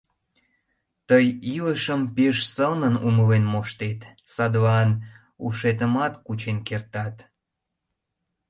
Тый илышым пеш сылнын умылен моштет, садлан ушетымат кучен кертат.